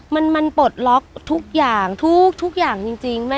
ทั้งใบมันรู้สึกยังไง